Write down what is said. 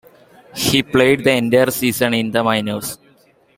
He played the entire season in the minors.